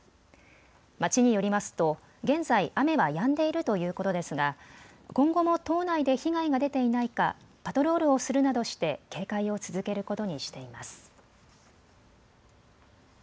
町によりますと現在、雨はやんでいるということですが今後も島内で被害が出ていないかパトロールをするなどして警戒を続けることにしています。